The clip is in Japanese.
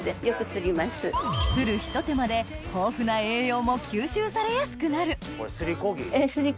するひと手間で豊富な栄養も吸収されやすくなるこれすりこぎ？